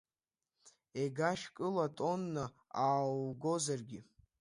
Ега шәкыла тонна ааугозаргьы…